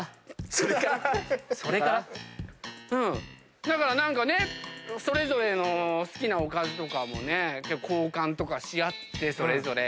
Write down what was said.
それから⁉だから何かねそれぞれの好きなおかずとかもね交換とかし合ってそれぞれ。